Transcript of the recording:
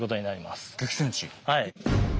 はい。